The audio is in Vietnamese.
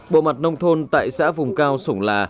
bộ mặt nông thôn tại xã vùng cao sổng lạ